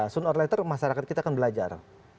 soon or letter masyarakat kita akan belajar